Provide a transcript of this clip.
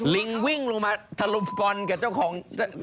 ลิงวิ่งลงมาทะลมบอลกับเจ้าของ